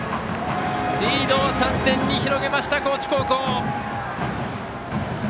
リードを３点に広げました高知高校。